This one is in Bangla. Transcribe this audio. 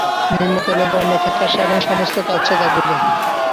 নিম্নতলের বর্ন ফ্যাকাশে এবং সমস্ত কালচে দাগগুলি।